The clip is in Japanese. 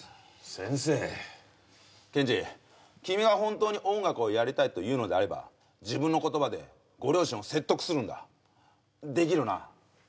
先生ケンジ君が本当に音楽をやりたいというのであれば自分の言葉でご両親を説得するんだできるな？